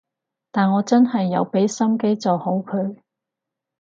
但我真係有畀心機做好佢